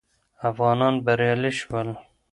افغانان بریالي شول